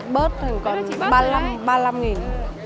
bớt thì còn ba mươi năm nghìn